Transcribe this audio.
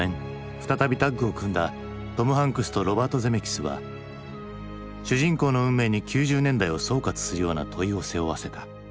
再びタッグを組んだトム・ハンクスとロバート・ゼメキスは主人公の運命に９０年代を総括するような問いを背負わせた。